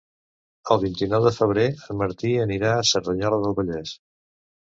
El vint-i-nou de febrer en Martí anirà a Cerdanyola del Vallès.